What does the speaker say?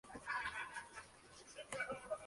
Solo subsistió la sala capitular y un ala del convento.